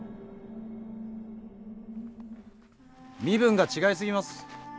身分が違い過ぎます。